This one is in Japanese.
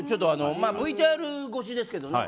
ＶＴＲ越しですけどね。